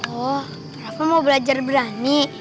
oh aku mau belajar berani